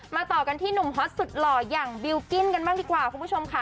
ต่อกันที่หนุ่มฮอตสุดหล่ออย่างบิลกิ้นกันบ้างดีกว่าคุณผู้ชมค่ะ